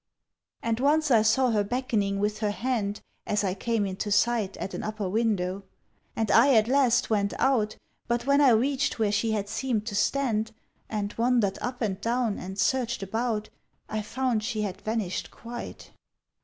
"And once I saw her beckoning with her hand As I came into sight At an upper window. And I at last went out; But when I reached where she had seemed to stand, And wandered up and down and searched about, I found she had vanished quite."